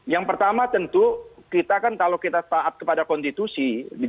yang pertama tentu kita kan kalau kita taat kepada konstitusi